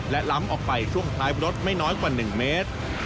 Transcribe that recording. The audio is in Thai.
และล้ำออกไปช่วงท้ายรถไม่น้อยกว่า๑เมตร